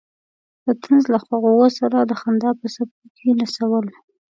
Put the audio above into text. د طنز له خوږو سره د خندا په څپو کې نڅول.